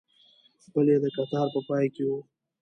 بل یې د کتار په پای کې و.